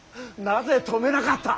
なぜ止めなかった！